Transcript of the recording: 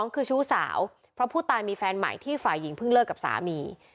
คือชู้สาวเพราะผู้ตายมีแฟนใหม่ที่ฝ่ายหญิงเพิ่งเลิกกับสามี